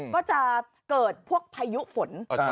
ก็จะเกิดพวกพายุฝน